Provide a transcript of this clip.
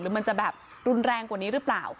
มันจะแบบรุนแรงกว่านี้หรือเปล่า